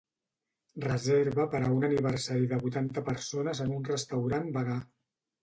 Reserva per a un aniversari de vuitanta persones en un restaurant vegà.